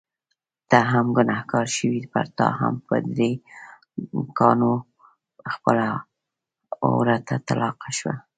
ته هم ګنهګار شوې، پرتا هم په درې کاڼو خپله عورته طلاقه شوه.